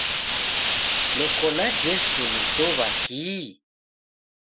Neko na Jesu nisow'a kii?